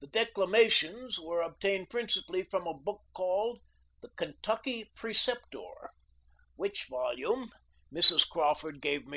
The declamations were obtained princi pally from a book called " The Kentucky Preceptor," which volume 48 THE LIFE OF LINCOLN.